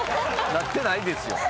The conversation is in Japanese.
なってないですよ。